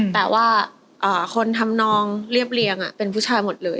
แต่ว่าคนทำนองเรียบเรียงเป็นผู้ชายหมดเลย